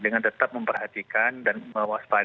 dengan tetap memperhatikan dan mewaspada